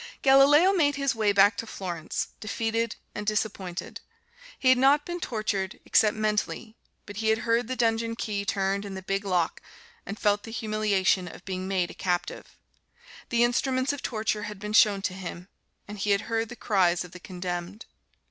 Galileo made his way back to Florence, defeated and disappointed. He had not been tortured, except mentally, but he had heard the dungeon key turned in the big lock and felt the humiliation of being made a captive. The instruments of torture had been shown to him, and he had heard the cries of the condemned.